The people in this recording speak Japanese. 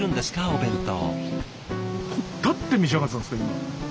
お弁当。